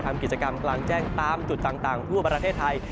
ทำกิจกรรมกลางแจ้งตามจุดต่างทั่วประเทศไทย